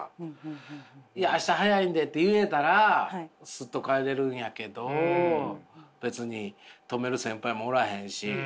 「いや明日早いんで」って言えたらスッと帰れるんやけど別に止める先輩もおらへんし。